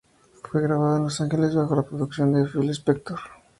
Fue grabado en los Los Ángeles bajo la producción de Phil Spector.